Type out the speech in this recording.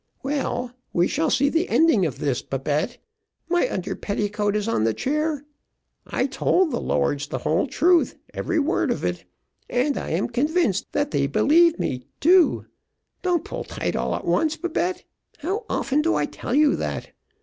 "Well, we shall see the ending of this, Babette. My under petticoat is on the chair. I told the lords the whole truth, every word of it; and I am convinced that they believed me, too. Don't pull tight all at once, Babette; how often do I tell you that.